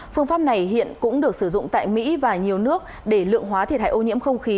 phương pháp này hiện cũng được sử dụng tại mỹ và nhiều nước để lượng hóa thiệt hại ô nhiễm không khí